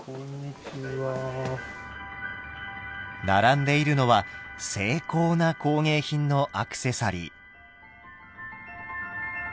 並んでいるのは精巧な工芸品のアクセサリー。